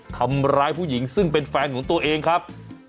ทำร้ายผู้หญิงซึ่งเป็นแฟนของตัวเองครับ